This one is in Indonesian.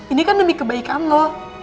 ini kan demi kebaikan lo